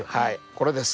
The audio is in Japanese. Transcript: これです。